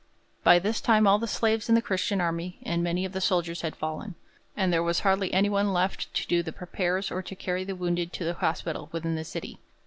By this time all the slaves in the Christian army and many of the soldiers had fallen, and there was hardly anyone left to do the repairs or to carry the wounded to the Hospital within the city.